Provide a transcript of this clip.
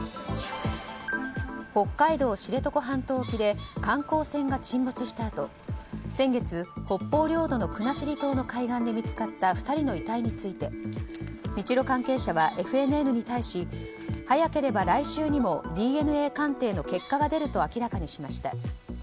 北海道知床半島沖で観光船が沈没したあと先月、北方領土の国後島の海岸で見つかった２人の遺体について日露関係者はＦＮＮに対し、早ければ来週にもＤＮＡ鑑定の結果が出ると明らかにしました。